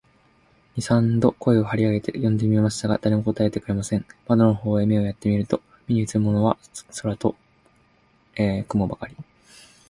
二三度声を張り上げて呼んでみましたが、誰も答えてくれません。窓の方へ目をやって見ると、目にうつるものは雲と空ばかり、